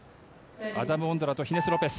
アダム・オンドラとヒネス・ロペス。